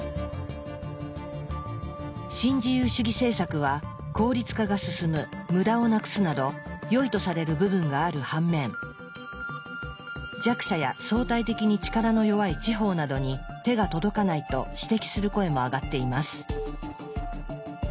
新自由主義政策は効率化が進む無駄をなくすなどよいとされる部分がある反面弱者や相対的に力の弱い地方などに手が届かないと指摘する声も上がっています。